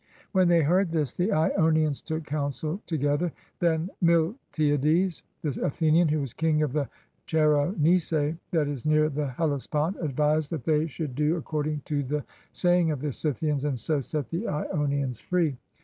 When they heard this the lonians took counsel together. Then Miltiades the Athenian, who was King of the Chersonese that is near the Helles pont, advised that they should do according to the say ing of the Scythians, and so set the lonians free.